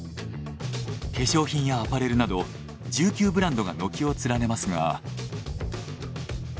化粧品やアパレルなど１９ブランドが軒を連ねますが。